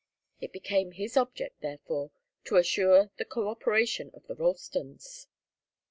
It became his object therefore to assure the coöperation of the Ralstons.